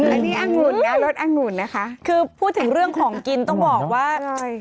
อันนี้อังุ่นนะรสอังุ่นนะคะคือพูดถึงเรื่องของกินต้องบอกว่าใช่